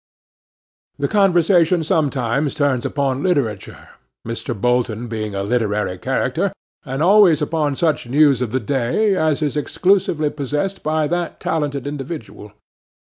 The conversation sometimes turns upon literature, Mr. Bolton being a literary character, and always upon such news of the day as is exclusively possessed by that talented individual.